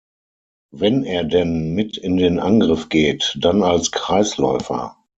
Wenn er denn mit in den Angriff geht, dann als Kreisläufer.